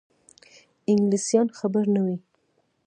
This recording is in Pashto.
انګلیسیان خبر نه وه.